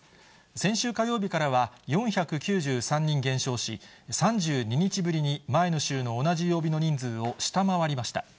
先週火曜日からは４９３人減少し、３２日ぶりに前の週の同じ曜日の人数を下回りました。